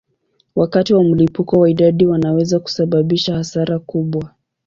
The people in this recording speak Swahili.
Wakati wa mlipuko wa idadi wanaweza kusababisha hasara kubwa.